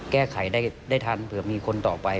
แก้ไขได้ทันเผื่อมีคนต่อไป